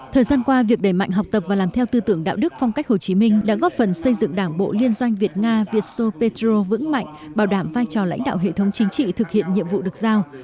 thời gian qua việc đẩy mạnh học tập và làm theo tư tưởng đạo đức phong cách hồ chí minh đã góp phần xây dựng đảng bộ liên doanh việt nga vietso petro vững mạnh bảo đảm vai trò lãnh đạo hệ thống chính trị thực hiện nhiệm vụ được giao